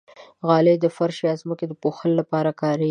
غالۍ د فرش یا ځمکې پوښلو لپاره کارېږي.